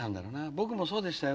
僕もそうでしたよ。